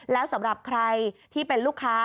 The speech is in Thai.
แล้วสำหรับใครที่เป็นลูกค้า